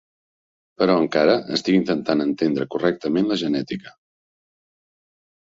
Però encara estic intentant entendre correctament la genètica.